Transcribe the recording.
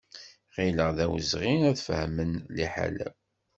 Ɣilleɣ d awezɣi ad fehmen liḥala-w.